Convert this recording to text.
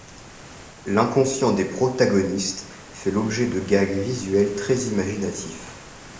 L'inconscient des protagonistes fait l'objet de gags visuels très imaginatifs.